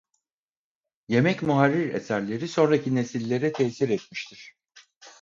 Yemek muharrir eserleri sonraki nesillere tesir etmiştir.